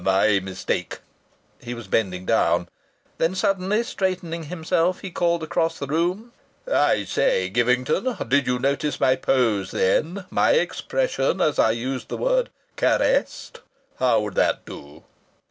My mistake!" He was bending down. Then suddenly straightening himself he called across the room: "I say, Givington, did you notice my pose then my expression as I used the word 'caressed'? How would that do?"